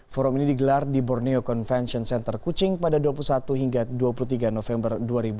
forum ini digelar di borneo convention center kucing pada dua puluh satu hingga dua puluh tiga november dua ribu dua puluh